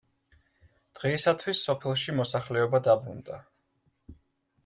დღეისათვის სოფელში მოსახლეობა დაბრუნდა.